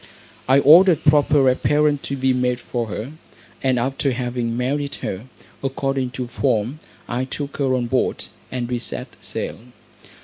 I ordered proper apparel to be made for her; and after having married her, according to form, I took her on board, and we set sail.